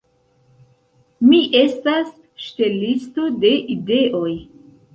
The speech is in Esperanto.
Mi estas ŝtelisto de ideoj.